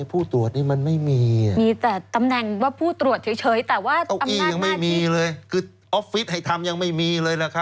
ผู้ตรวจนี้มันไม่มี